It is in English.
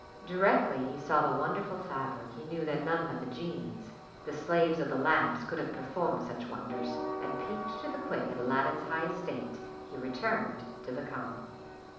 Directly he saw the wonderful fabric, he knew that none but the genies, the slaves of the lamp, could have performed such wonders, and, piqued to the quick at Aladdin's high estate, he returned to the khan.